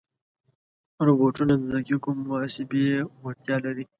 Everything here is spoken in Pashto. روبوټونه د دقیقو محاسبې وړتیا لري.